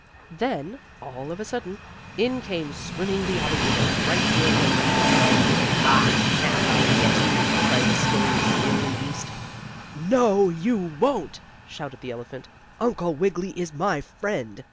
Then, all of a sudden, in came swimming the alligator, right toward the rabbit. "Ah, now I'll get you!" cried the skillery scalery beast. "No you won't!" shouted the elephant, "Uncle Wiggily is my friend!"